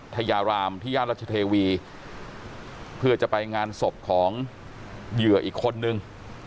ทยารามที่ย่านรัชเทวีเพื่อจะไปงานศพของเหยื่ออีกคนนึง